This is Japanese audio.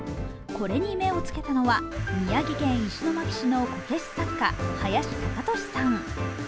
これに目をつけたのは宮城県石巻市のこけし作家林貴俊さん。